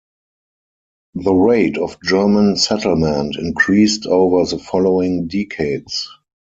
The rate of German settlement increased over the following decades.